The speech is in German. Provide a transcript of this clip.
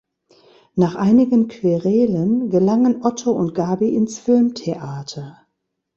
Nach einigen Querelen gelangen Otto und Gaby ins Filmtheater.